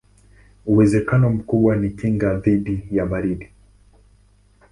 Uwezekano mkubwa ni kinga dhidi ya baridi.